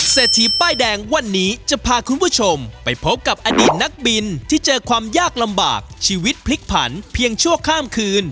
เศรษฐีป้ายแดงวันนี้จะพาคุณผู้ชมไปพบกับอดีตนักบินที่เจอความยากลำบากชีวิตพลิกผันเพียงชั่วข้ามคืน